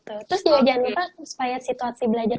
terus juga jangan lupa supaya situasi belajar